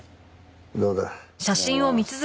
どうだ？